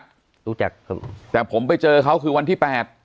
รู้จักครับแต่ผมไปเจอเขาคือวันที่แปด